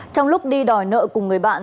trong lúc đi đòi nợ cùng người bạn